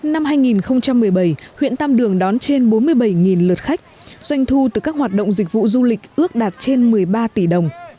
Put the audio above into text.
năm hai nghìn một mươi bảy huyện tam đường đón trên bốn mươi bảy lượt khách doanh thu từ các hoạt động dịch vụ du lịch ước đạt trên một mươi ba tỷ đồng